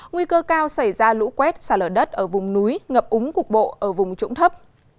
nguy cơ cao xảy ra lũ quét xả lở đất ở vùng núi ngập úng cục bộ ở vùng trũng thấp